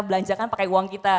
belanjakan pakai uang kita